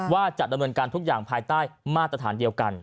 ว่าจะดำเนินการทุกอย่างภายใต้มาตรฐานเดียวกัน